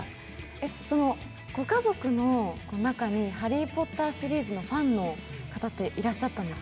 ご家族の中に「ハリー・ポッター」シリーズのファンの方っていらっしゃったんですか？